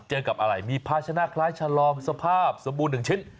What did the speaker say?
เจอกับอะไรมีภาชนะคล้ายชะลอมสภาพสมบูรณ์หนึ่งชิ้น